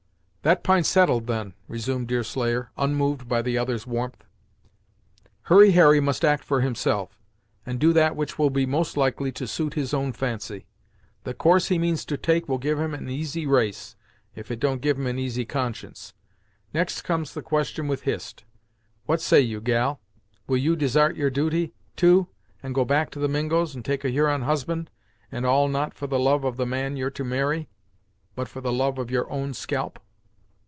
"That p'int's settled, then," resumed Deerslayer, unmoved by the other's warmth. "Hurry Harry must act for himself, and do that which will be most likely to suit his own fancy. The course he means to take will give him an easy race, if it don't give him an easy conscience. Next comes the question with Hist what say you gal? Will you desart your duty, too, and go back to the Mingos and take a Huron husband, and all not for the love of the man you're to marry, but for the love of your own scalp?"